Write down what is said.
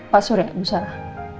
pak sur ya bu sarah